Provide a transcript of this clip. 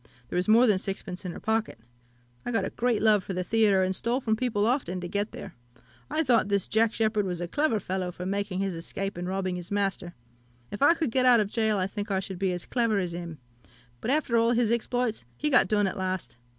There was more than sixpence in her pocket. I got a great love for the theatre, and stole from people often to get there. I thought this Jack Sheppard was a clever fellow for making his escape and robbing his master. If I could get out of gaol, I think I should be as clever as him: but, after all his exploits, he got done at last.